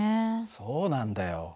そうなんだよ。